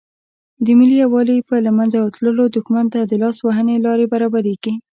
د ملي یووالي په له منځه تللو دښمن ته د لاس وهنې لارې برابریږي.